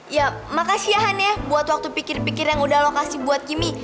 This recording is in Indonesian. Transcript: ya makasih ya hani ya buat waktu pikir pikir yang udah lo kasih buat kimi